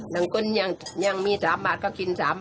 ทั้งคนยังมี๓บาทก็กิน๓บาท